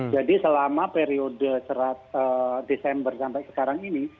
jadi selama periode desember sampai sekarang ini